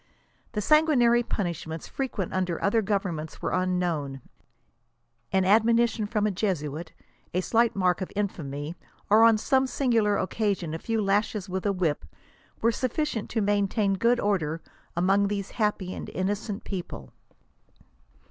The san guinary punishments frequent under other governments were wn knowni An admonition from a Jesutt, a slight mark of infamy, or on some singular occasion a few lashes with a whip, were suffi cient to maintain good order among these innocent and happy people."